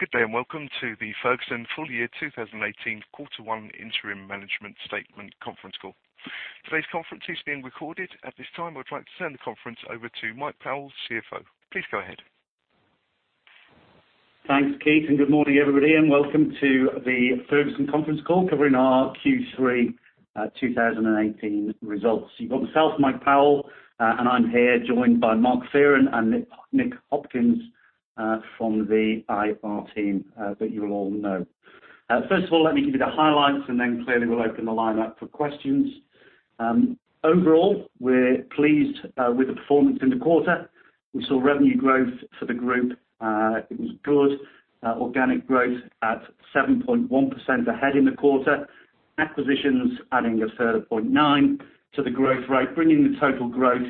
Good day, welcome to the Ferguson full year 2018 quarter one interim management statement conference call. Today's conference is being recorded. At this time, I'd like to turn the conference over to Mike Powell, CFO. Please go ahead. Thanks, Keith. Good morning, everybody, welcome to the Ferguson conference call covering our Q3 2018 results. You've got myself, Mike Powell, I'm here joined by Mark Fearon and Nick Hopkins from the IR team that you will all know. First of all, let me give you the highlights. Clearly we'll open the line up for questions. Overall, we're pleased with the performance in the quarter. We saw revenue growth for the group. It was good. Organic growth at 7.1% ahead in the quarter. Acquisitions adding a further 0.9 to the growth rate, bringing the total growth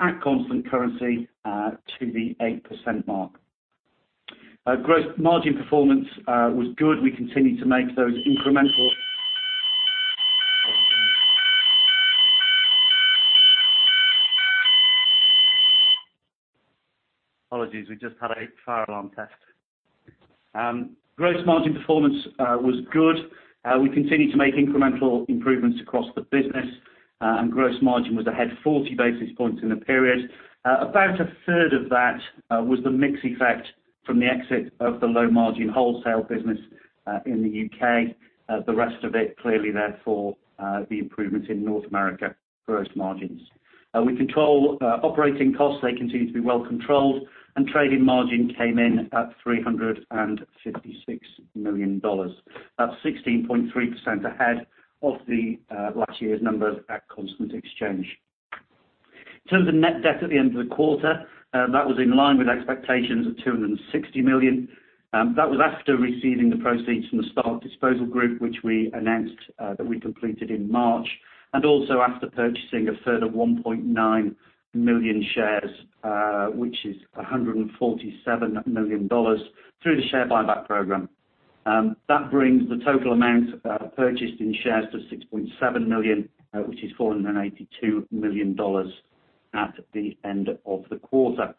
at constant currency to the 8% mark. Gross margin performance was good. Apologies, we just had a fire alarm test. Gross margin performance was good. We continue to make incremental improvements across the business. Gross margin was ahead 40 basis points in the period. About a third of that was the mix effect from the exit of the low-margin wholesale business in the U.K. The rest of it clearly, therefore, the improvements in North America gross margins. We control operating costs. They continue to be well controlled. Trading margin came in at $356 million. That's 16.3% ahead of the last year's numbers at constant exchange. In terms of net debt at the end of the quarter, that was in line with expectations of 260 million. That was after receiving the proceeds from the stock disposal group, which we announced that we completed in March, and also after purchasing a further 1.9 million shares, which is $147 million, through the share buyback program. That brings the total amount purchased in shares to 6.7 million, which is $482 million at the end of the quarter.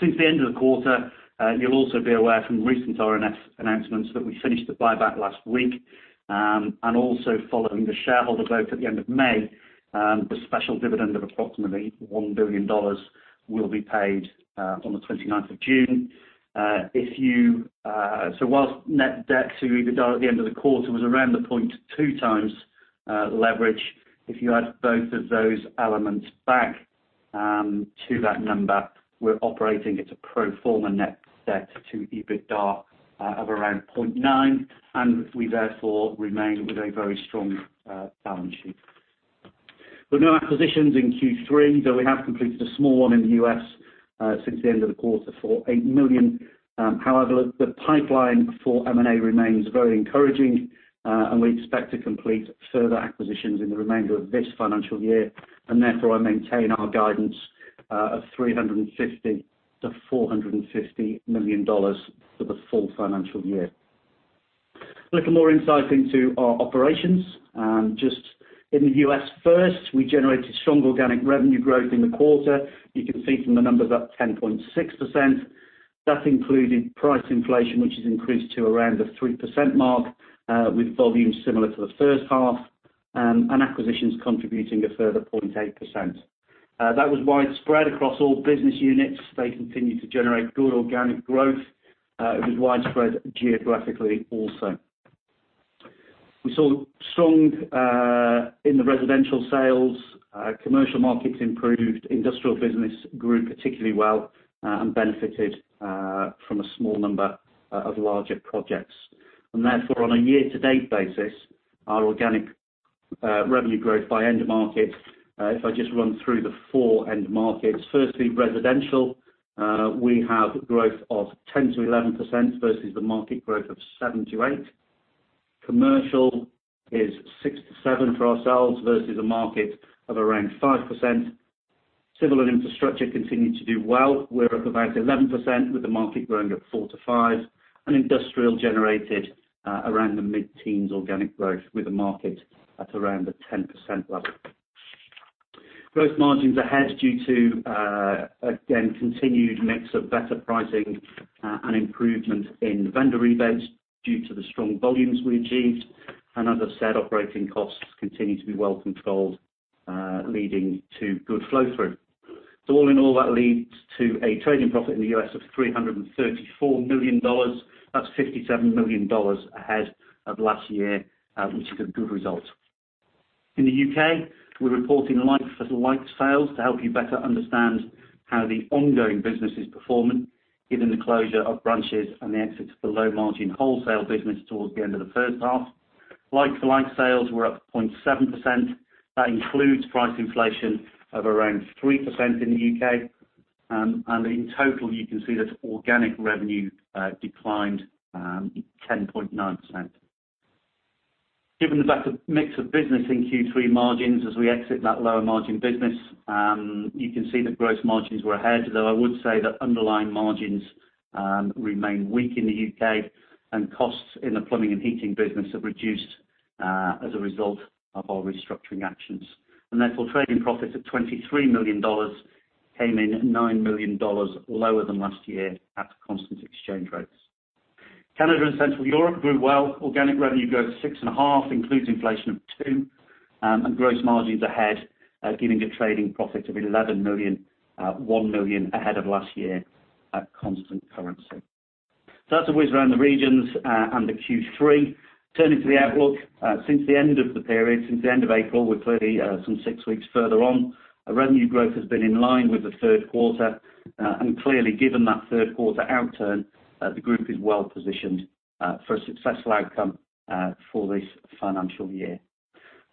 Since the end of the quarter, you'll also be aware from recent RNS announcements that we finished the buyback last week, and also following the shareholder vote at the end of May, the special dividend of approximately $1 billion will be paid on the 29th of June. Whilst net debt to EBITDA at the end of the quarter was around the 0.2 times leverage. If you add both of those elements back to that number, we're operating at a pro forma net debt to EBITDA of around 0.9. We therefore remain with a very strong balance sheet. There were no acquisitions in Q3, though we have completed a small one in the U.S. since the end of the quarter for 8 million. However, the pipeline for M&A remains very encouraging. We expect to complete further acquisitions in the remainder of this financial year. Therefore, I maintain our guidance of $350 million-$450 million for the full financial year. A little more insight into our operations. Just in the U.S. first, we generated strong organic revenue growth in the quarter. You can see from the numbers up 10.6%. That included price inflation, which has increased to around the 3% mark, with volumes similar to the first half, and acquisitions contributing a further .8%. That was widespread across all business units. They continued to generate good organic growth. It was widespread geographically also. We saw strong in the residential sales, commercial markets improved, industrial business grew particularly well, and benefited from a small number of larger projects. Therefore, on a year-to-date basis, our organic revenue growth by end market, if I just run through the four end markets. Firstly, residential, we have growth of 10%-11% versus the market growth of 7%-8%. Commercial is 6%-7% for ourselves versus a market of around 5%. Civil and infrastructure continued to do well. We're up about 11% with the market growing at 4%-5%. Industrial generated around the mid-teens organic growth with the market at around the 10% level. Gross margins are ahead due to, again, continued mix of better pricing, and improvement in vendor rebates due to the strong volumes we achieved. As I've said, operating costs continue to be well controlled, leading to good flow-through. All in all, that leads to a trading profit in the U.S. of $334 million. That's $57 million ahead of last year, which is a good result. In the U.K., we're reporting like-for-like sales to help you better understand how the ongoing business is performing, given the closure of branches and the exit of the low-margin wholesale business towards the end of the first half. Like-for-like sales were up .7%. That includes price inflation of around 3% in the U.K. In total, you can see that organic revenue declined 10.9%. Given the better mix of business in Q3 margins as we exit that lower margin business, you can see that gross margins were ahead, though I would say that underlying margins remain weak in the U.K., and costs in the plumbing and heating business have reduced as a result of our restructuring actions. Therefore, trading profits at $23 million came in $9 million lower than last year at constant exchange rates. Canada and Central Europe grew well. Organic revenue growth 6.5%, includes inflation of 2%, gross margins ahead, giving a trading profit of $11 million, $1 million ahead of last year at constant currency. That's the whiz around the regions and the Q3. Turning to the outlook, since the end of the period, since the end of April, we're clearly some six weeks further on. Revenue growth has been in line with the third quarter. Clearly given that third quarter outturn, the group is well positioned for a successful outcome for this financial year.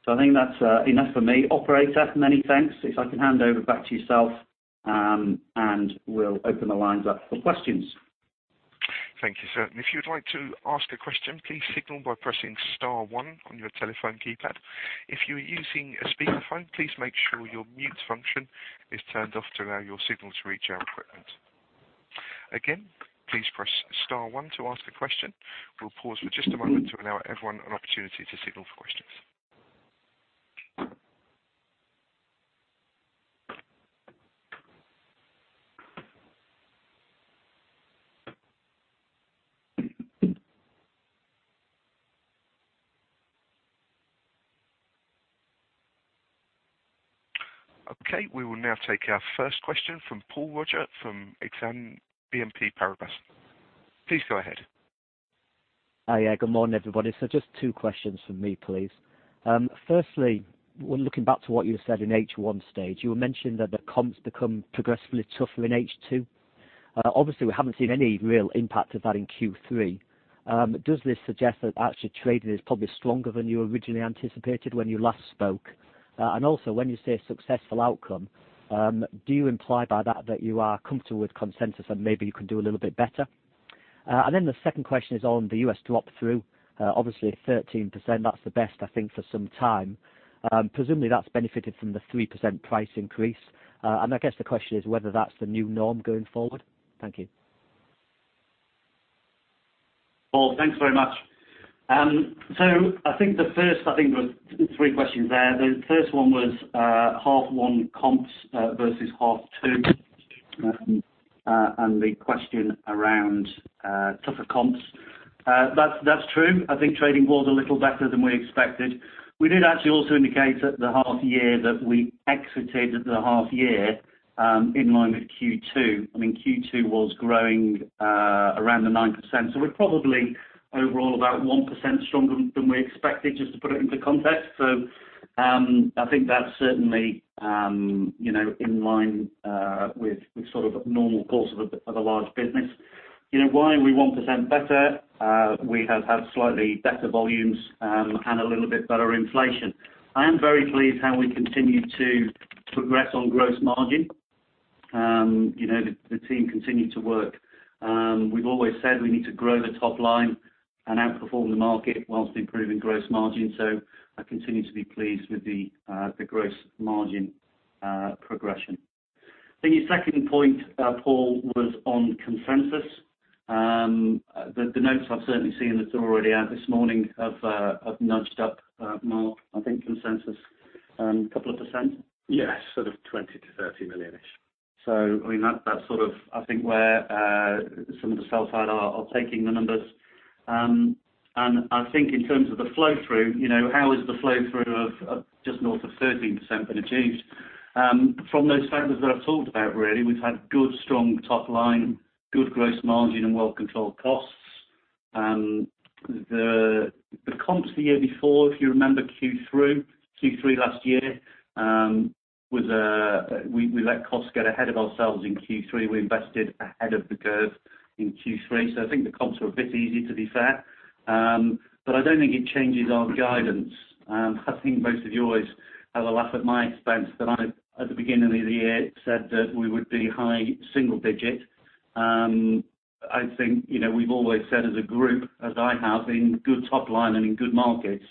I think that's enough for me. Operator, many thanks. If I can hand over back to yourself, and we'll open the lines up for questions. Thank you, sir. If you'd like to ask a question, please signal by pressing star one on your telephone keypad. If you're using a speakerphone, please make sure your mute function is turned off to allow your signal to reach our equipment. Again, please press star one to ask a question. We'll pause for just a moment to allow everyone an opportunity to signal for questions. Okay, we will now take our first question from Paul Roger from Exane BNP Paribas. Please go ahead. Hi. Good morning, everybody. Just two questions from me, please. Firstly, when looking back to what you said in H1, you were mentioning that the comps become progressively tougher in H2. Obviously, we haven't seen any real impact of that in Q3. Does this suggest that actually trading is probably stronger than you originally anticipated when you last spoke? Also, when you say successful outcome, do you imply by that you are comfortable with consensus and maybe you can do a little bit better? The second question is on the U.S. drop-through. Obviously, 13%, that's the best, I think, for some time. Presumably, that's benefited from the 3% price increase. I guess the question is whether that's the new norm going forward. Thank you. Paul, thanks very much. I think there was three questions there. The first one was half one comps versus half two, and the question around tougher comps. That's true. I think trading was a little better than we expected. We did actually also indicate that the half year that we exited the half year in line with Q2. Q2 was growing around the 9%, so we're probably overall about 1% stronger than we expected, just to put it into context. I think that's certainly in line with normal course of a large business. Why are we 1% better? We have had slightly better volumes and a little bit better inflation. I am very pleased how we continue to progress on gross margin. The team continue to work. We've always said we need to grow the top line and outperform the market whilst improving gross margin. I continue to be pleased with the gross margin progression. I think your second point, Paul, was on consensus. The notes I've certainly seen that are already out this morning have nudged up, Mark, I think consensus a couple of percent? Yes, sort of $20 million-$30 million-ish. That's where some of the sell side are taking the numbers. I think in terms of the flow through, how is the flow through of just north of 13% been achieved? From those factors that I've talked about, really, we've had good, strong top line, good gross margin, and well-controlled costs. The comps the year before, if you remember Q3 last year, we let costs get ahead of ourselves in Q3. We invested ahead of the curve in Q3. I think the comps were a bit easier, to be fair. I don't think it changes our guidance. I think most of you always have a laugh at my expense, that I, at the beginning of the year, said that we would be high single digit. I think we've always said as a group, as I have, in good top line and in good markets,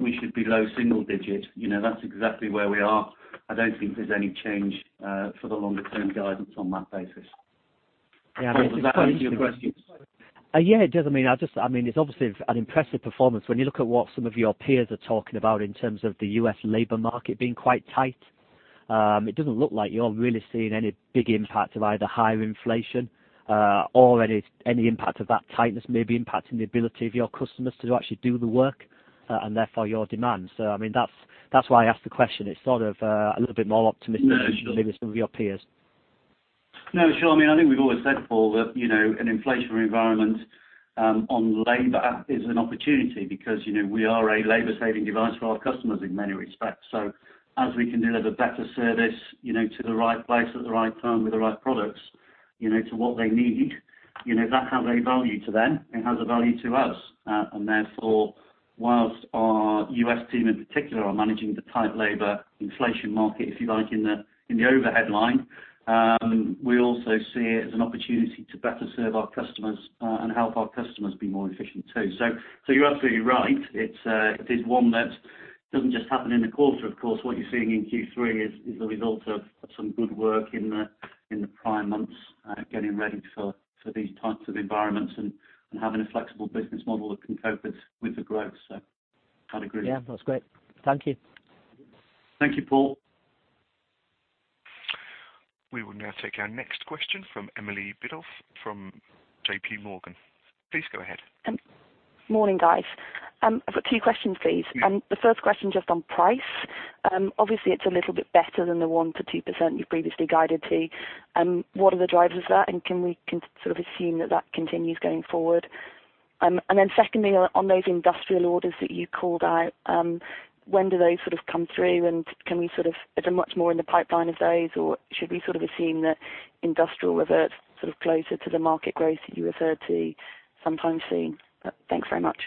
we should be low single digit. That's exactly where we are. I don't think there's any change for the longer term guidance on that basis. Paul, does that answer your questions? Yeah, it does. It's obviously an impressive performance. When you look at what some of your peers are talking about in terms of the U.S. labor market being quite tight, it doesn't look like you're really seeing any big impact of either higher inflation or any impact of that tightness maybe impacting the ability of your customers to actually do the work, and therefore your demands. That's why I asked the question. It's sort of a little bit more optimistic than maybe some of your peers. No, sure. I think we've always said, Paul, that an inflationary environment on labor is an opportunity because we are a labor saving device for our customers in many respects. As we can deliver better service, to the right place at the right time with the right products, to what they need, that has a value to them, it has a value to us. Therefore, whilst our U.S. team in particular are managing the tight labor inflation market, if you like, in the overhead line, we also see it as an opportunity to better serve our customers and help our customers be more efficient, too. You're absolutely right. It is one that doesn't just happen in the quarter, of course. What you're seeing in Q3 is the result of some good work in the prior months, getting ready for these types of environments and having a flexible business model that can cope with the growth. I'd agree. Yeah, that's great. Thank you. Thank you, Paul. We will now take our next question from Emily Biddulph from JPMorgan. Please go ahead. Morning, guys. I've got two questions, please. Yeah. The first question just on price. Obviously, it's a little bit better than the 1%-2% you previously guided to. What are the drivers of that, and can we assume that continues going forward? Secondly, on those industrial orders that you called out, when do they come through, and Is there much more in the pipeline of those, or should we assume that industrial reverts closer to the market growth that you referred to sometime soon? Thanks very much.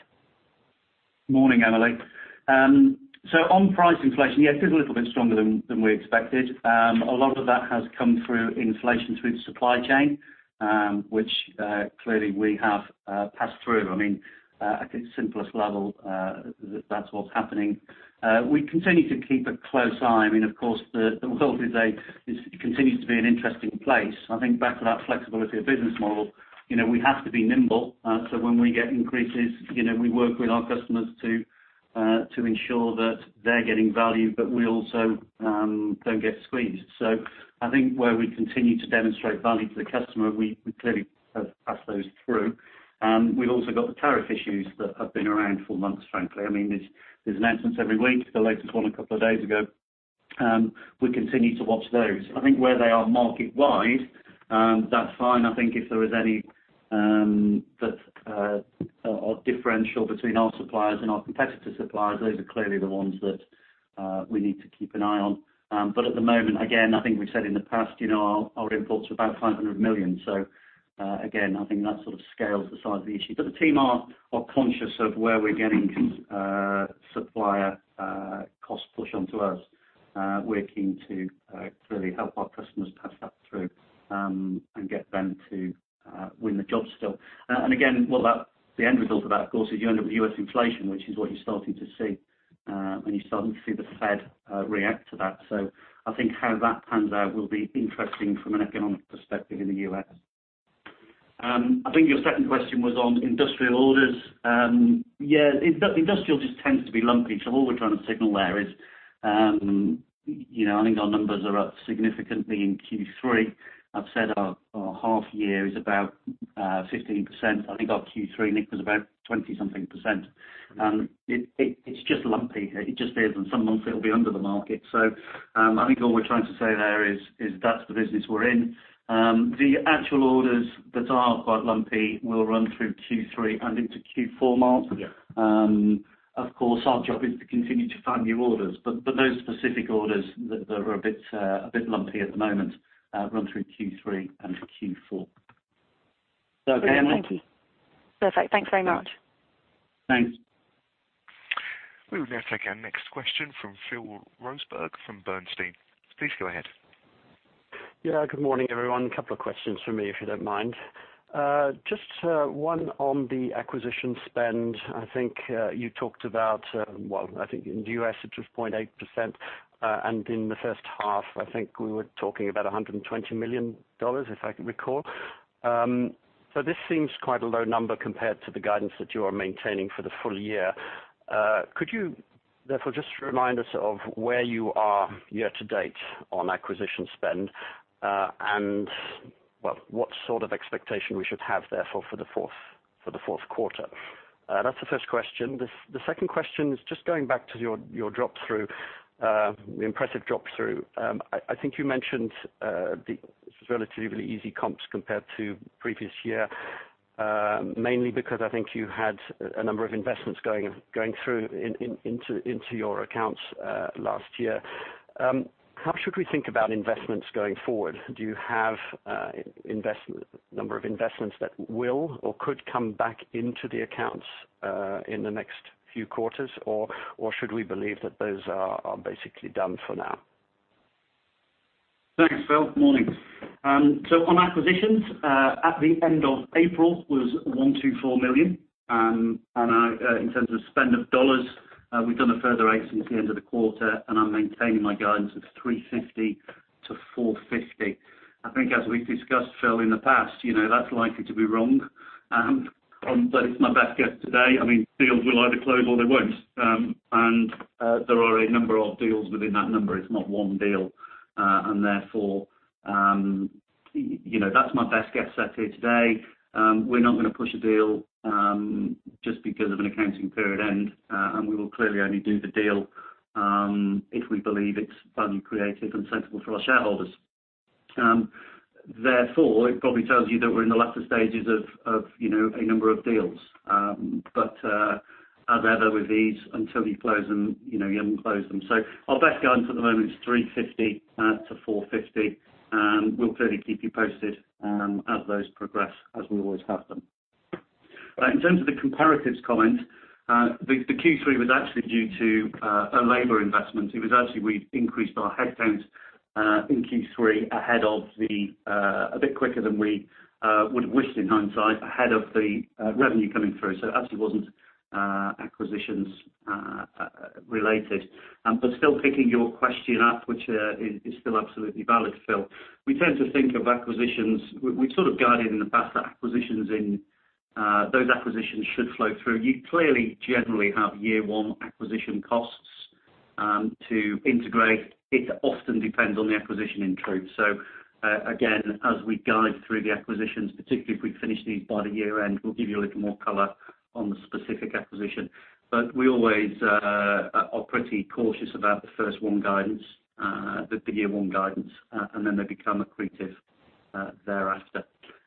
Morning, Emily. On price inflation, yeah, it is a little bit stronger than we expected. A lot of that has come through inflation through the supply chain, which clearly we have passed through. I mean, at its simplest level, that's what's happening. We continue to keep a close eye. I mean, of course, the world today continues to be an interesting place. I think back to that flexibility of business model, we have to be nimble. When we get increases, we work with our customers to ensure that they're getting value, but we also don't get squeezed. I think where we continue to demonstrate value to the customer, we clearly pass those through. We've also got the tariff issues that have been around for months, frankly. I mean, there's announcements every week. The latest one a couple of days ago. We continue to watch those. I think where they are market-wide, that's fine. I think if there is any differential between our suppliers and our competitors' suppliers, those are clearly the ones that we need to keep an eye on. At the moment, again, I think we've said in the past, our imports are about $ 500 million. Again, I think that sort of scales the size of the issue. The team are conscious of where we're getting supplier cost push onto us. We're keen to clearly help our customers pass that through, and get them to win the job still. Again, the end result of that, of course, is you end up with U.S. inflation, which is what you're starting to see, and you're starting to see the Fed react to that. I think how that pans out will be interesting from an economic perspective in the U.S. I think your second question was on industrial orders. Yeah, industrial just tends to be lumpy. All we're trying to signal there is I think our numbers are up significantly in Q3. I've said our half year is about 15%. I think our Q3, Nick, was about 20-something%. It's just lumpy. It just is, and some months it'll be under the market. I think all we're trying to say there is that's the business we're in. The actual orders that are quite lumpy will run through Q3 and into Q4, Mark. Yeah. Of course, our job is to continue to find new orders. Those specific orders that are a bit lumpy at the moment run through Q3 and Q4. Is that okay, Emily? Perfect. Thanks very much. Thanks. We will now take our next question from Phil Roseberg from Bernstein. Please go ahead. Yeah. Good morning, everyone. Couple of questions from me, if you don't mind. Just one on the acquisition spend. I think you talked about, well, I think in the U.S. it was 0.8%, and in the first half, I think we were talking about $120 million, if I can recall. This seems quite a low number compared to the guidance that you are maintaining for the full year. Could you therefore just remind us of where you are year-to-date on acquisition spend? And what sort of expectation we should have, therefore, for the fourth quarter? That's the first question. The second question is just going back to your drop-through, the impressive drop-through. I think you mentioned this was relatively easy comps compared to previous year, mainly because I think you had a number of investments going through into your accounts last year. How should we think about investments going forward? Do you have a number of investments that will or could come back into the accounts in the next few quarters, or should we believe that those are basically done for now? Thanks, Phil. Morning. On acquisitions, at the end of April was $124 million. In terms of spend of dollars, we've done a further eight since the end of the quarter, and I'm maintaining my guidance of $350 million-$450 million. I think as we've discussed, Phil, in the past, that's likely to be wrong. But it's my best guess today. I mean, deals will either close or they won't. And there are a number of deals within that number. It's not one deal. And therefore, that's my best guess sat here today. We're not going to push a deal just because of an accounting period end, and we will clearly only do the deal if we believe it's value creative and sensible for our shareholders. Therefore, it probably tells you that we're in the latter stages of a number of deals. As ever with these until you close them, you haven't closed them. Our best guidance at the moment is $350 million-$450 million, and we'll clearly keep you posted as those progress, as we always have done. In terms of the comparatives comment, the Q3 was actually due to a labor investment. It was actually we increased our headcount in Q3 a bit quicker than we would have wished in hindsight, ahead of the revenue coming through. It actually wasn't acquisitions related. Still picking your question up, which is still absolutely valid, Phil. We tend to think of acquisitions. We've sort of guided in the past that those acquisitions should flow through. You clearly generally have year one acquisition costs to integrate. It often depends on the acquisition, in truth. Again, as we guide through the acquisitions, particularly if we finish these by the year-end, we'll give you a little more color on the specific acquisition. We always are pretty cautious about the year one guidance, and then they become accretive thereafter.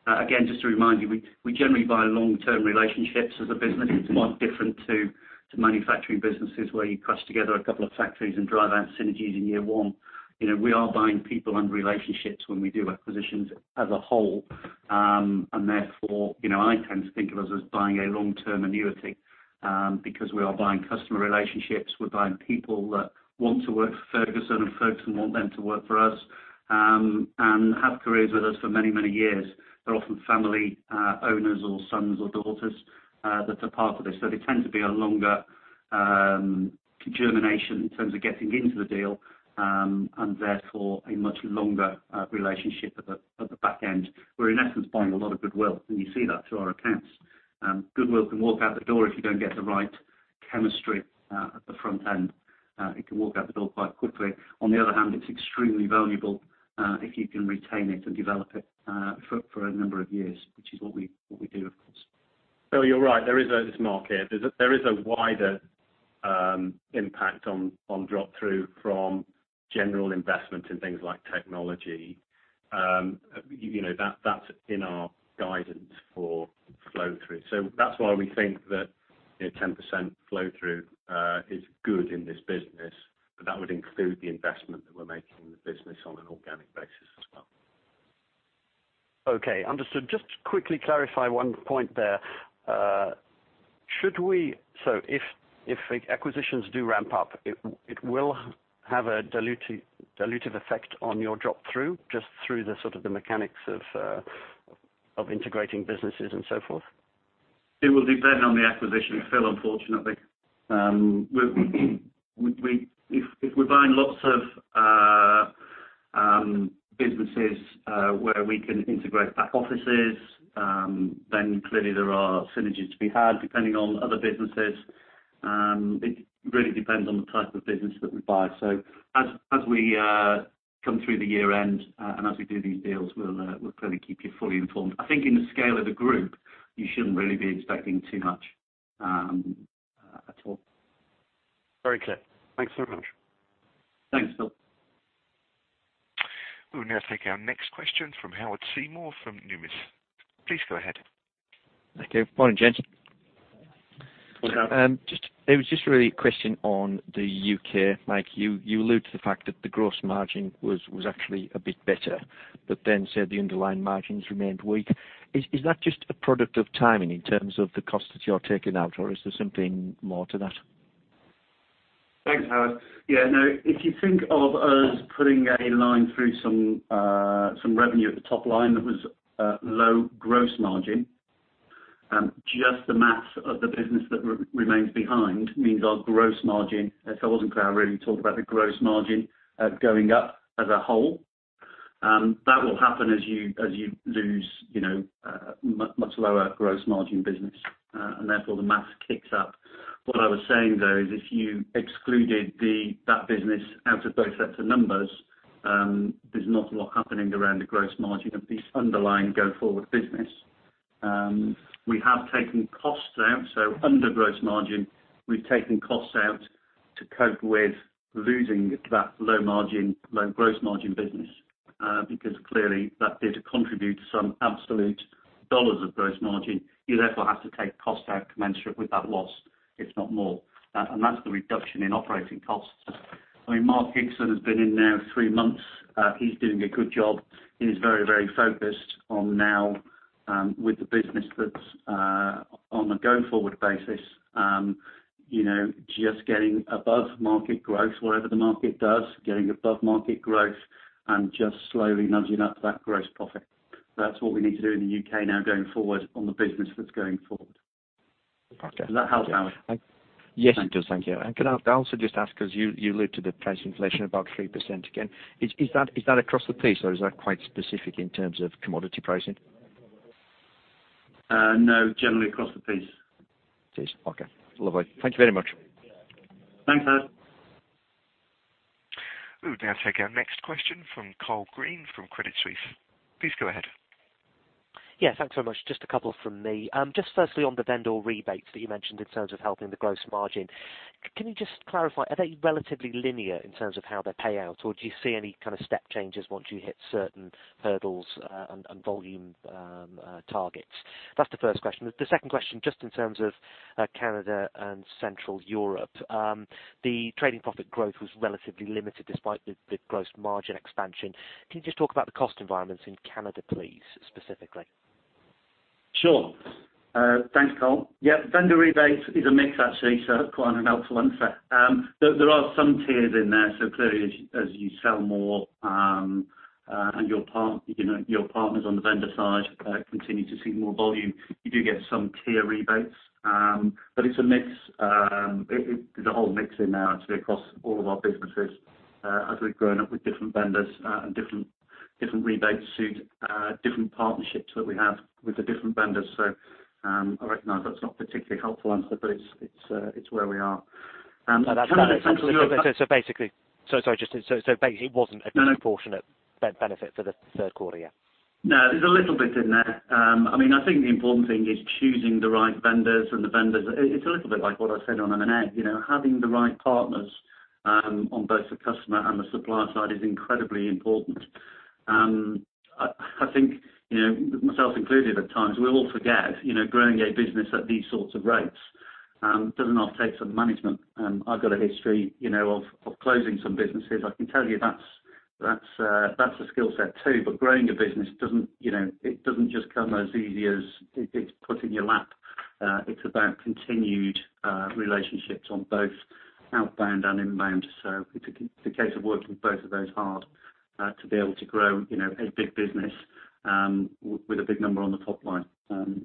Again, just to remind you, we generally buy long-term relationships as a business. It's quite different to manufacturing businesses where you crush together a couple of factories and drive out synergies in year one. We are buying people and relationships when we do acquisitions as a whole. Therefore, I tend to think of us as buying a long-term annuity, because we are buying customer relationships. We're buying people that want to work for Ferguson and folks who want them to work for us, and have careers with us for many, many years. They're often family owners or sons or daughters that are part of this. They tend to be a longer germination in terms of getting into the deal, and therefore, a much longer relationship at the back end. We're in essence, buying a lot of goodwill, and you see that through our accounts. Goodwill can walk out the door if you don't get the right chemistry at the front end. It can walk out the door quite quickly. On the other hand, it's extremely valuable, if you can retain it and develop it for a number of years, which is what we do, of course. Phil, you're right. There is a market. There is a wider impact on drop-through from general investment in things like technology. That's in our guidance for flow through. That's why we think that 10% flow through is good in this business, but that would include the investment that we're making in the business on an organic basis as well. Okay, understood. Just to quickly clarify one point there. If acquisitions do ramp up, it will have a dilutive effect on your drop through, just through the sort of the mechanics of integrating businesses and so forth? It will depend on the acquisition, Phil, unfortunately. If we're buying lots of businesses, where we can integrate back offices, then clearly there are synergies to be had, depending on other businesses. It really depends on the type of business that we buy. As we come through the year-end, and as we do these deals, we'll clearly keep you fully informed. I think in the scale of the group, you shouldn't really be expecting too much at all. Very clear. Thanks so much. Thanks, Phil. We will now take our next question from Howard Seymour from Numis. Please go ahead. Thank you. Morning, gents. Good how are you? It was just really a question on the U.K., Mike. You allude to the fact that the gross margin was actually a bit better, but then said the underlying margins remained weak. Is that just a product of timing in terms of the costs that you're taking out, or is there something more to that? Thanks, Howard. Yeah, no, if you think of us putting a line through some revenue at the top line that was low gross margin, just the mass of the business that remains behind means our gross margin, as I wasn't clear, I really talked about the gross margin going up as a whole. That will happen as you lose much lower gross margin business, and therefore the mass kicks up. What I was saying, though, is if you excluded that business out of both sets of numbers, there's not a lot happening around the gross margin of the underlying go forward business. We have taken costs out, so under gross margin, we've taken costs out to cope with losing that low gross margin business. Because clearly that did contribute some absolute dollars of gross margin. You therefore have to take cost out commensurate with that loss, if not more. That's the reduction in operating costs. Mark Higson has been in now three months. He's doing a good job. He is very focused on now with the business that's on a go forward basis, just getting above market growth, whatever the market does, getting above market growth and just slowly nudging up that gross profit. That's what we need to do in the U.K. now going forward on the business that's going forward. Okay. Does that help, Howard? Yes, it does. Thank you. Could I also just ask, because you looked at the price inflation above 3% again. Is that across the piece, or is that quite specific in terms of commodity pricing? No, generally across the piece. Okay. Lovely. Thank you very much. Thanks, Howard. We would now take our next question from Carl Green from Credit Suisse. Please go ahead. Thanks very much. Just a couple from me. Firstly, on the vendor rebates that you mentioned in terms of helping the gross margin, can you just clarify, are they relatively linear in terms of how they pay out, or do you see any kind of step changes once you hit certain hurdles and volume targets? That's the first question. The second question, in terms of Canada and Central Europe. The trading profit growth was relatively limited despite the gross margin expansion. Can you talk about the cost environments in Canada, please, specifically? Sure. Thanks, Carl. Vendor rebates is a mix, actually, quite an unhelpful answer. There are some tiers in there, clearly, as you sell more and your partners on the vendor side continue to see more volume, you do get some tier rebates. It's a whole mix in there actually across all of our businesses as we've grown up with different vendors and different rebates suit different partnerships that we have with the different vendors. I recognize that's not a particularly helpful answer, but it's where we are. Basically, it wasn't a proportionate benefit for the third quarter year. No, there's a little bit in there. I think the important thing is choosing the right vendors. It's a little bit like what I said on M&A. Having the right partners on both the customer and the supplier side is incredibly important. I think, myself included, at times, we all forget, growing a business at these sorts of rates does not take some management. I've got a history of closing some businesses. I can tell you that's a skill set too. Growing a business, it doesn't just come as easy as if it's put in your lap. It's about continued relationships on both outbound and inbound. It's a case of working both of those hard to be able to grow a big business with a big number on the top line and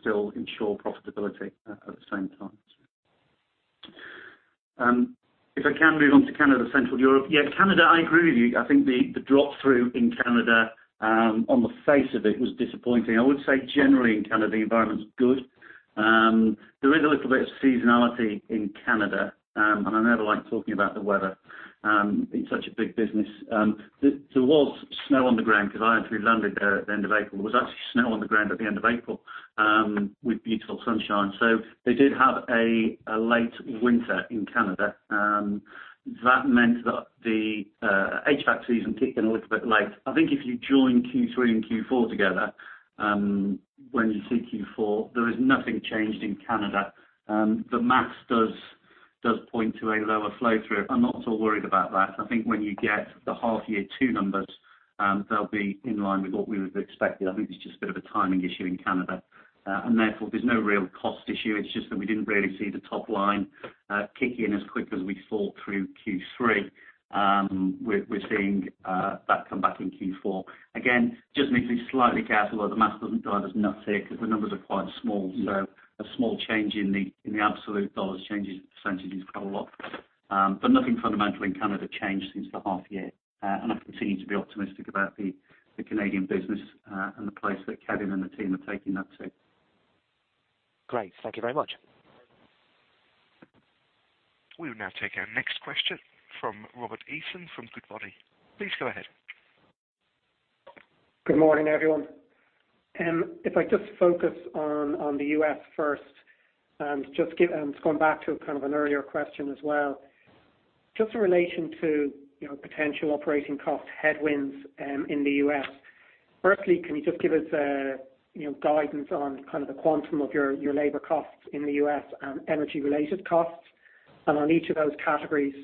still ensure profitability at the same time. If I can move on to Canada, Central Europe. Yeah, Canada, I agree with you. I think the drop-through in Canada, on the face of it, was disappointing. I would say generally in Canada, the environment's good. There is a little bit of seasonality in Canada, and I never like talking about the weather in such a big business. There was snow on the ground because I actually landed there at the end of April. There was actually snow on the ground at the end of April with beautiful sunshine. They did have a late winter in Canada. That meant that the HVAC season kicked in a little bit late. I think if you join Q3 and Q4 together, when you see Q4, there is nothing changed in Canada. The math does point to a lower flow-through. I'm not at all worried about that. I think when you get the half year two numbers, they'll be in line with what we would have expected. I think it's just a bit of a timing issue in Canada. Therefore, there's no real cost issue. It's just that we didn't really see the top line kick in as quick as we thought through Q3. We're seeing that come back in Q4. Again, just need to be slightly careful that the math doesn't drive us nuts here because the numbers are quite small. A small change in the absolute U.S. dollars changes the percentages quite a lot. Nothing fundamental in Canada changed since the half year, and I continue to be optimistic about the Canadian business and the place that Kevin and the team are taking that to. Great. Thank you very much. We will now take our next question from Robert Eason from Goodbody. Please go ahead. Good morning, everyone. If I just focus on the U.S. first, it's going back to kind of an earlier question as well. Just in relation to potential operating cost headwinds in the U.S. Firstly, can you just give us guidance on the quantum of your labor costs in the U.S. and energy-related costs? On each of those categories,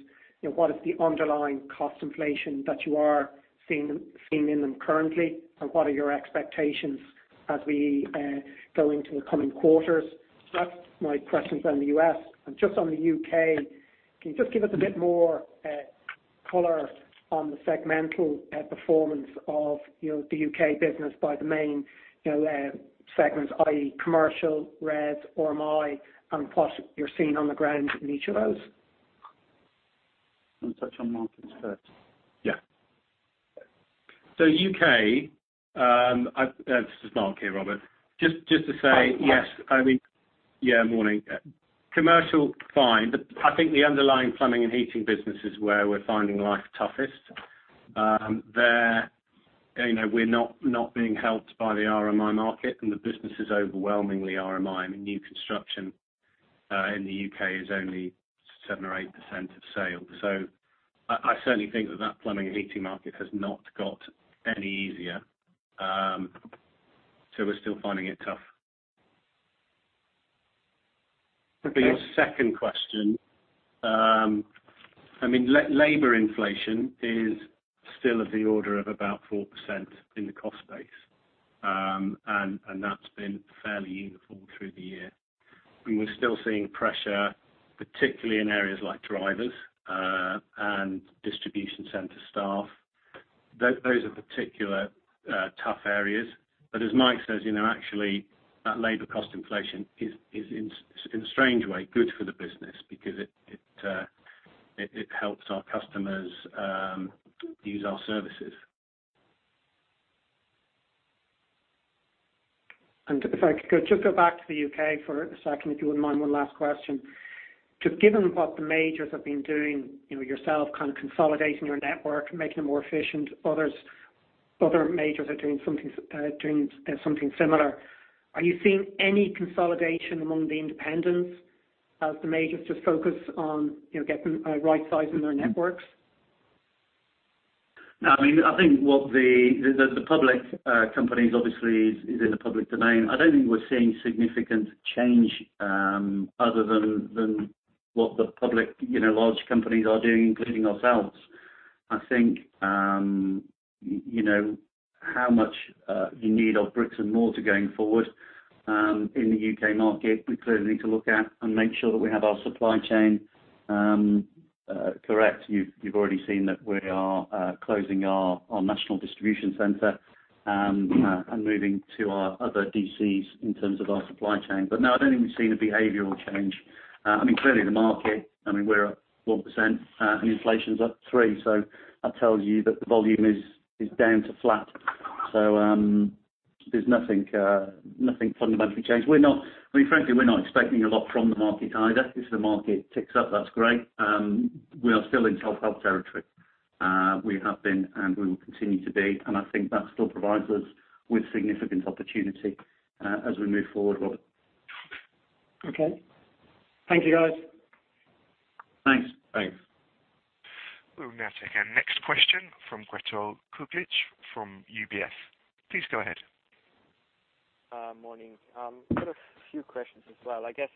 what is the underlying cost inflation that you are seeing in them currently, and what are your expectations as we go into the coming quarters? That's my questions on the U.S. Just on the U.K., can you just give us a bit more color on the segmental performance of the U.K. business by the main segments, i.e., commercial, res, RMI, and what you're seeing on the ground in each of those. I'll touch on Mark's first. U.K., this is Mark here, Robert. Just to say yes. Morning. Commercial, fine. I think the underlying plumbing and heating business is where we're finding life toughest. There, we're not being helped by the RMI market, the business is overwhelmingly RMI, new construction in the U.K. is only 7% or 8% of sales. I certainly think that that plumbing and heating market has not got any easier. We're still finding it tough. For your second question, labor inflation is still of the order of about 4% in the cost base, that's been fairly uniform through the year. We're still seeing pressure, particularly in areas like drivers and distribution center staff. Those are particular tough areas. As Mike says, actually, that labor cost inflation is in a strange way good for the business because it helps our customers use our services. If I could just go back to the U.K. for a second, if you wouldn't mind one last question. Given what the majors have been doing, yourself kind of consolidating your network, making it more efficient, other majors are doing something similar. Are you seeing any consolidation among the independents as the majors just focus on right-sizing their networks? No, I think what the public companies obviously is in the public domain. I don't think we're seeing significant change other than what the public large companies are doing, including ourselves. I think how much you need of bricks and mortar going forward in the U.K. market, we clearly need to look at and make sure that we have our supply chain correct. You've already seen that we are closing our national distribution center and moving to our other DCs in terms of our supply chain. No, I don't think we've seen a behavioral change. Clearly, the market, we're up 1% and inflation's up 3%, that tells you that the volume is down to flat. There's nothing fundamentally changed. Frankly, we're not expecting a lot from the market either. If the market ticks up, that's great. We are still in self-help territory. We have been, and we will continue to be, and I think that still provides us with significant opportunity as we move forward, Robert. Okay. Thank you, guys. Thanks. We will now take our next question from Gregor Kuglitsch from UBS. Please go ahead. Morning. I've got a few questions as well. I guess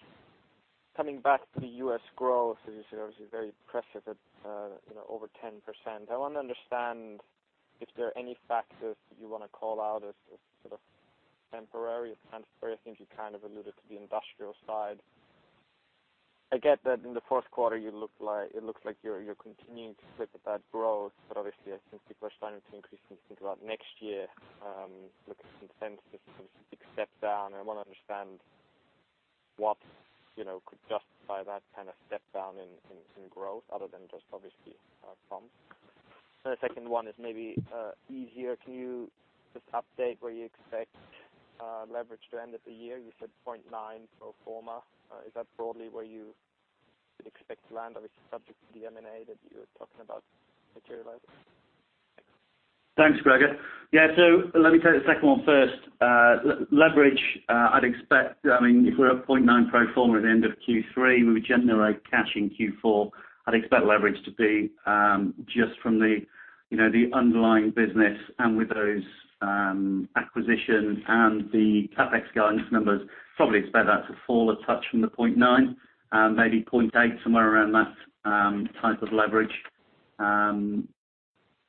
coming back to the U.S. growth, as you said, obviously very impressive at over 10%. I want to understand if there are any factors that you want to call out as sort of temporary. I think you kind of alluded to the industrial side. I get that in the fourth quarter it looks like you're continuing to flip at that growth, but obviously, I think people are starting to increasingly think about next year, looking at some sense of some big step down. I want to understand what could justify that kind of step down in growth other than just obviously bumps. The second one is maybe easier. Can you just update where you expect leverage to end of the year? You said 0.9 pro forma. Is that broadly where you would expect to land, obviously subject to the M&A that you were talking about materializing? Thanks, Gregor. Yeah. Let me take the second one first. Leverage, I'd expect, if we're at 0.9 pro forma at the end of Q3, we would generate cash in Q4. I'd expect leverage to be just from the underlying business and with those acquisitions and the CapEx guidance numbers, probably expect that to fall a touch from the 0.9, maybe 0.8, somewhere around that type of leverage.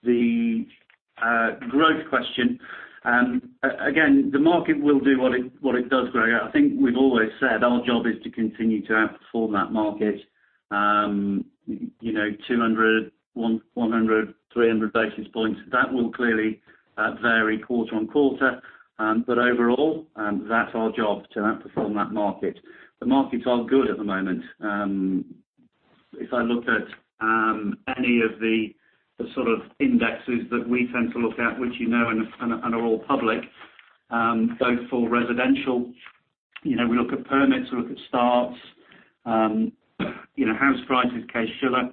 The growth question, again, the market will do what it does, Gregor. I think we've always said our job is to continue to outperform that market. 200, 100, 300 basis points, that will clearly vary quarter-on-quarter. Overall, that's our job to outperform that market. The markets are good at the moment. If I looked at any of the sort of indexes that we tend to look at, which you know and are all public, both for residential, we look at permits, we look at starts, house prices, Case-Shiller,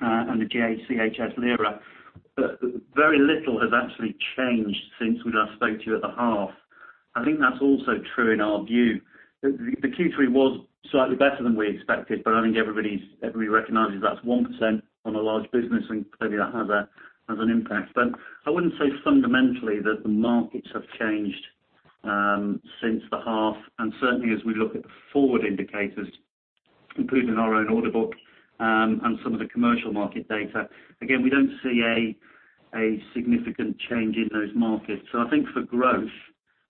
and the JCHS LIRA. Very little has actually changed since we last spoke to you at the half. I think that's also true in our view. The Q3 was slightly better than we expected, but I think everybody recognizes that's 1% on a large business, and clearly that has an impact. I wouldn't say fundamentally that the markets have changed since the half, and certainly as we look at the forward indicators, including our own order book and some of the commercial market data, again, we don't see a significant change in those markets. I think for growth,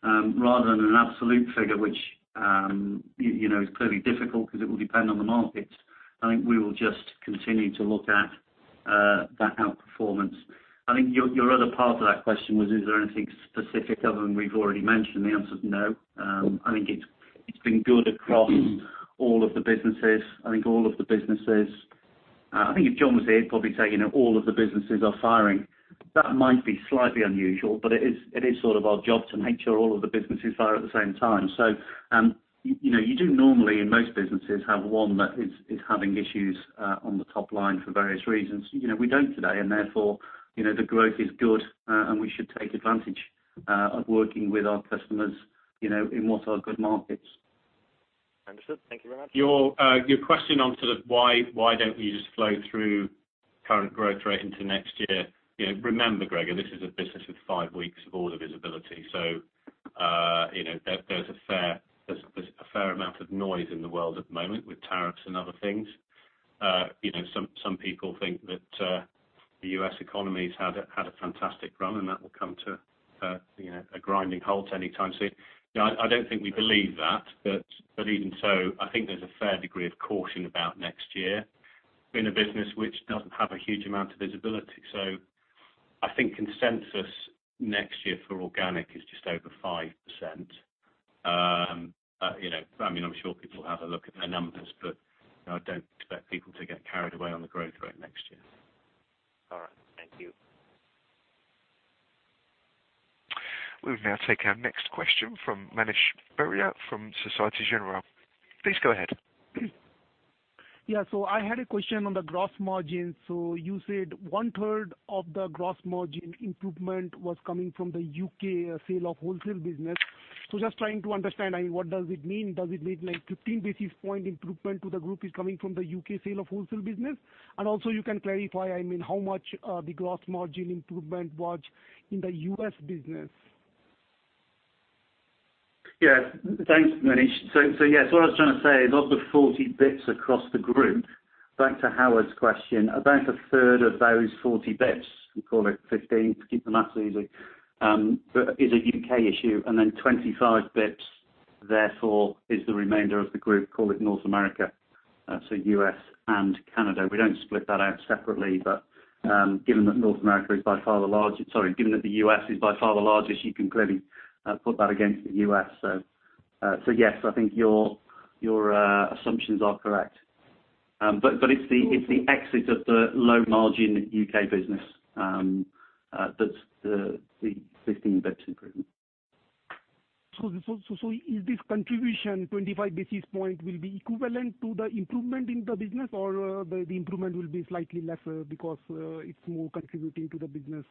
rather than an absolute figure, which is clearly difficult because it will depend on the markets, I think we will just continue to look at that outperformance. I think your other part of that question was, is there anything specific other than we've already mentioned? The answer is no. I think it's been good across all of the businesses. I think if John was here, he'd probably say all of the businesses are firing. That might be slightly unusual, but it is sort of our job to make sure all of the businesses fire at the same time. You do normally, in most businesses, have one that is having issues on the top line for various reasons. We don't today, therefore, the growth is good, and we should take advantage of working with our customers in what are good markets. Understood. Thank you very much. Your question on sort of why don't you just flow through current growth rate into next year? Remember, Gregor, this is a business with five weeks of order visibility, there's a fair amount of noise in the world at the moment with tariffs and other things. Some people think that the U.S. economy's had a fantastic run, and that will come to a grinding halt any time soon. I don't think we believe that, but even so, I think there's a fair degree of caution about next year in a business which doesn't have a huge amount of visibility. I think consensus next year for organic is just over 5%. I'm sure people have a look at their numbers, but I don't expect people to get carried away on the growth rate next year. All right. Thank you. We will now take our next question from Manish Beria from Societe Generale. Please go ahead. I had a question on the gross margin. You said one-third of the gross margin improvement was coming from the U.K. sale of wholesale business. Just trying to understand, what does it mean? Does it mean 15 basis point improvement to the group is coming from the U.K. sale of wholesale business? You can clarify how much the gross margin improvement was in the U.S. business. Yeah. Thanks, Manish. Yes, what I was trying to say, of the 40 basis points across the group, back to Howard's question, about a third of those 40 basis points, we call it 15 to keep the math easy, is a U.K. issue, and then 25 basis points therefore is the remainder of the group, call it North America, so U.S. and Canada. We don't split that out separately, but given that the U.S. is by far the largest, you can clearly put that against the U.S. Yes, I think your assumptions are correct. It's the exit of the low margin U.K. business, that's the 15 basis points improvement. Is this contribution 25 basis points will be equivalent to the improvement in the business or the improvement will be slightly less because it's more contributing to the business?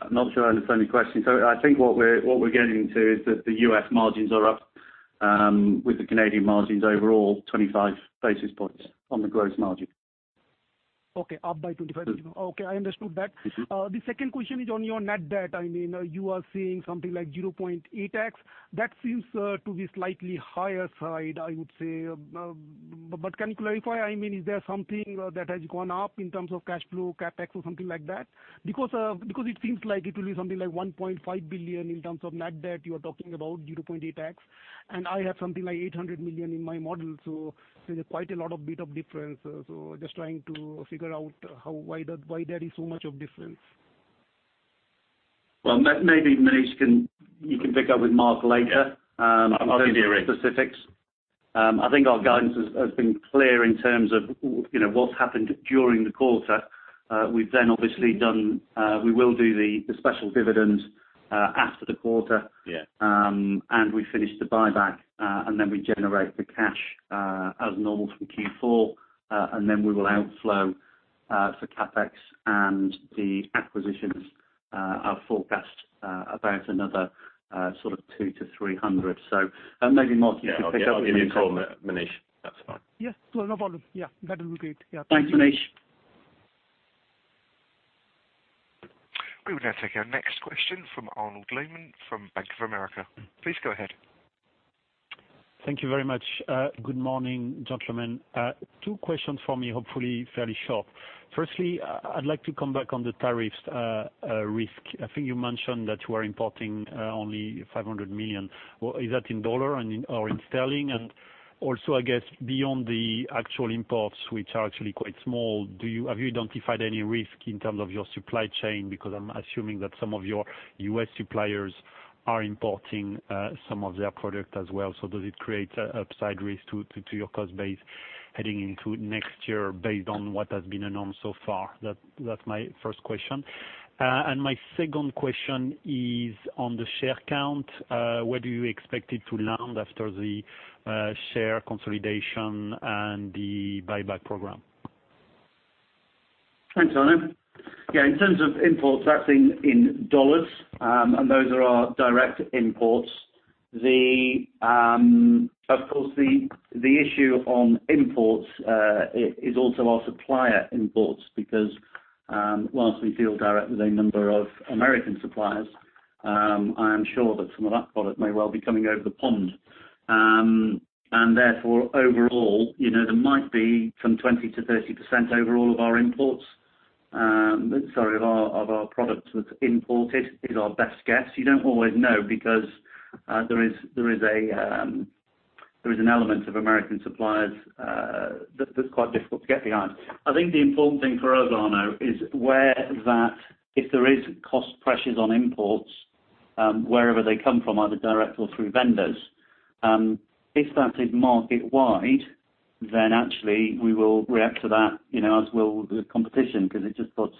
I'm not sure I understand your question. I think what we're getting to is that the U.S. margins are up with the Canadian margins overall 25 basis points on the gross margin. Okay. Up by 25. Okay, I understood that. The second question is on your net debt. You are saying something like 0.8x. That seems to be slightly higher side, I would say. Can you clarify, is there something that has gone up in terms of cash flow, CapEx, or something like that? Because it seems like it will be something like 1.5 billion in terms of net debt, you are talking about 0.8x, and I have something like 800 million in my model, there's quite a lot of bit of difference. Just trying to figure out why there is so much of difference. Well, maybe Manish, you can pick up with Mark later. I'll be here. On those specifics. I think our guidance has been clear in terms of what's happened during the quarter. We will do the special dividend after the quarter. Yeah. We finish the buyback. We generate the cash, as normal for Q4. We will outflow for CapEx, and the acquisitions are forecast about another sort of $200 million-$300 million. Maybe Mark can pick up. Yeah. I'll give you a call, Manish. That's fine. Yes. No problem. Yeah, that will be great. Yeah. Thanks, Manish. We will now take our next question from Arnaud Lehmann from Bank of America. Please go ahead. Thank you very much. Good morning, gentlemen. Two questions for me, hopefully fairly short. Firstly, I'd like to come back on the tariffs risk. I think you mentioned that you are importing only $500 million. Is that in USD or in GBP? Also, I guess beyond the actual imports, which are actually quite small, have you identified any risk in terms of your supply chain? Because I'm assuming that some of your U.S. suppliers are importing some of their product as well. Does it create an upside risk to your cost base heading into next year based on what has been announced so far? That's my first question. My second question is on the share count, where do you expect it to land after the share consolidation and the buyback program? Thanks, Arnaud. Yeah, in terms of imports, that's in USD. Those are our direct imports. Of course, the issue on imports is also our supplier imports because whilst we deal directly with a number of American suppliers, I am sure that some of that product may well be coming over the pond. Therefore, overall, there might be some 20%-30% overall of our imports. Sorry, of our products that's imported is our best guess. You don't always know because there is an element of American suppliers that's quite difficult to get behind. I think the important thing for us, Arnaud, is where that if there is cost pressures on imports, wherever they come from, either direct or through vendors, if that is market wide, actually we will react to that as will the competition because it just puts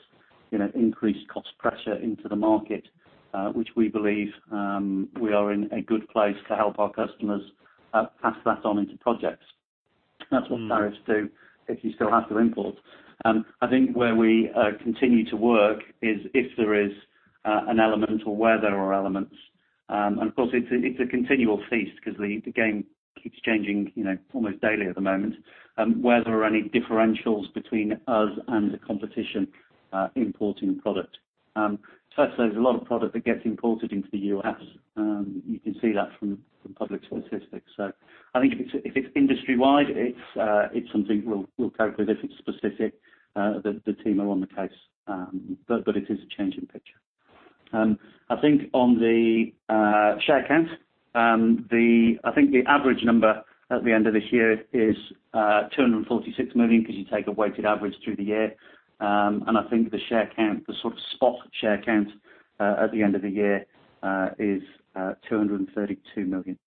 increased cost pressure into the market, which we believe we are in a good place to help our customers pass that on into projects. That's what tariffs do if you still have to import. I think where we continue to work is if there is an element or where there are elements, of course it's a continual feast because the game keeps changing almost daily at the moment, where there are any differentials between us and the competition importing product. Firstly, there's a lot of product that gets imported into the U.S. You can see that from public statistics. I think if it's industry wide, it's something we'll cope with. If it's specific, the team are on the case. It is a changing picture. I think on the share count, I think the average number at the end of this year is 246 million because you take a weighted average through the year. I think the share count, the sort of spot share count, at the end of the year is 232 million.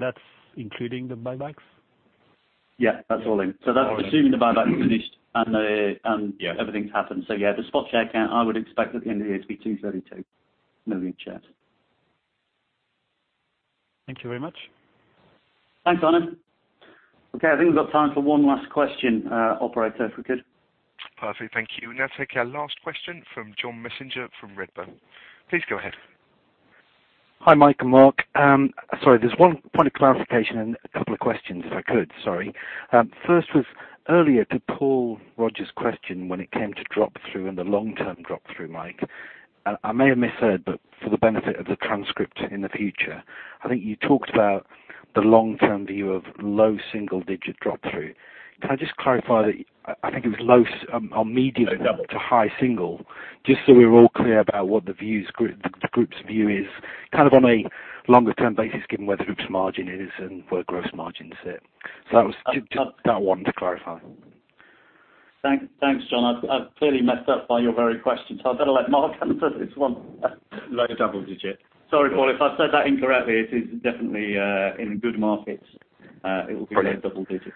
That's including the buybacks? Yeah, that's all in. That's assuming the buyback's finished and everything's happened. Yeah, the spot share count, I would expect at the end of the year to be 232 million shares. Thank you very much. Thanks, Arnaud. Okay, I think we've got time for one last question, operator, if we could. Perfect. Thank you. We'll now take our last question from John Messenger from Redburn. Please go ahead. Hi, Mike and Mark. Sorry, there's one point of clarification and a couple of questions if I could. Sorry. First was earlier to Paul Roger's question when it came to drop-through and the long-term drop-through, Mike. I may have misheard, but for the benefit of the transcript in the future, I think you talked about the long-term view of low single-digit drop-through. Can I just clarify that I think it was low or medium- Low double to high single, just so we're all clear about what the group's view is on a longer-term basis, given where the group's margin is and where gross margins sit. That was just that one to clarify. Thanks, John. I've clearly messed up by your very question, I'd better let Mark answer this one. Low double digit. Sorry, Paul, if I've said that incorrectly, it is definitely in good markets. It will be. Brilliant low double digit.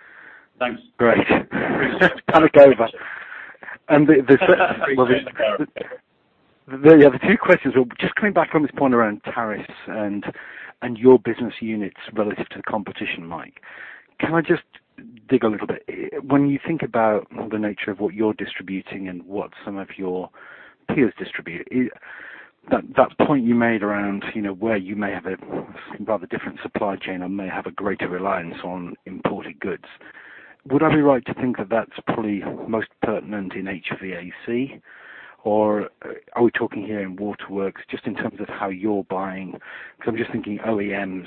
Thanks. Great. Kind of gave it. The other two questions were just coming back from this point around tariffs and your business units relative to the competition, Mike. Can I just dig a little bit? When you think about the nature of what you're distributing and what some of your peers distribute, that point you made around where you may have a rather different supply chain and may have a greater reliance on imported goods. Would I be right to think that that's probably most pertinent in HVAC? Are we talking here in Waterworks just in terms of how you're buying? Because I'm just thinking OEMs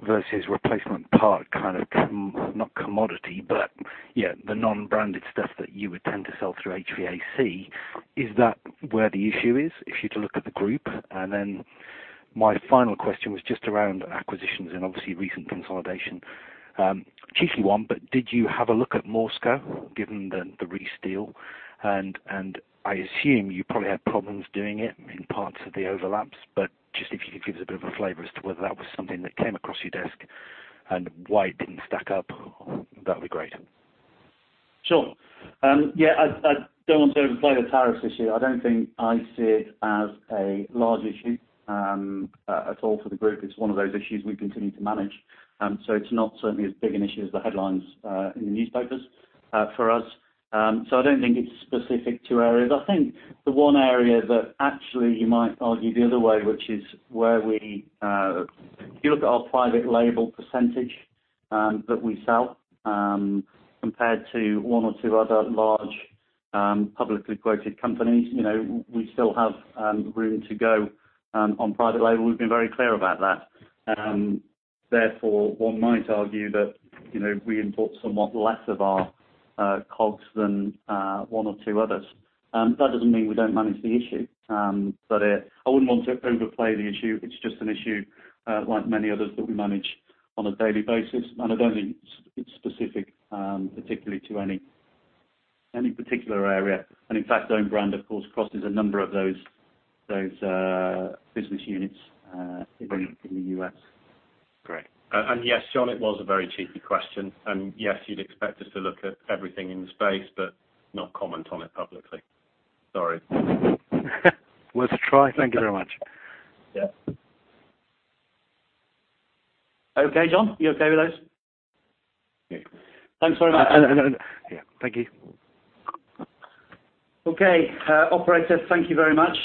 versus replacement part kind of, not commodity, but the non-branded stuff that you would tend to sell through HVAC. Is that where the issue is if you're to look at the group? My final question was just around acquisitions and obviously recent consolidation. A cheeky one, but did you have a look at MORSCO given the Reece deal? I assume you probably had problems doing it in parts of the overlaps, but just if you could give us a bit of a flavor as to whether that was something that came across your desk and why it didn't stack up, that'd be great. Sure. Yeah, I don't want to overplay the tariffs issue. I don't think I see it as a large issue at all for the group. It's one of those issues we continue to manage. It's not certainly as big an issue as the headlines in the newspapers for us. I don't think it's specific to areas. I think the one area that actually you might argue the other way, which is if you look at our private label percentage that we sell compared to one or two other large publicly quoted companies, we still have room to go on private label. We've been very clear about that. Therefore, one might argue that we import somewhat less of our cogs than one or two others. That doesn't mean we don't manage the issue. I wouldn't want to overplay the issue. It's just an issue like many others that we manage on a daily basis, I don't think it's specific particularly to any particular area. In fact, own brand, of course, crosses a number of those business units in the U.S. Great. Yes, John, it was a very cheeky question. Yes, you'd expect us to look at everything in the space but not comment on it publicly. Sorry. Worth a try. Thank you very much. Yeah. Okay, John? You okay with those? Yeah. Thanks very much. Thank you. Okay. Operators, thank you very much.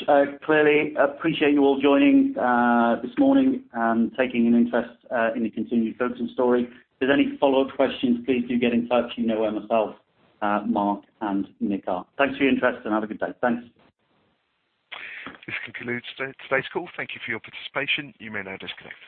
Clearly appreciate you all joining this morning and taking an interest in the continued Ferguson story. If there's any follow-up questions, please do get in touch. You know where myself, Mark, and Nick are. Thanks for your interest, and have a good day. Thanks. This concludes today's call. Thank you for your participation. You may now disconnect.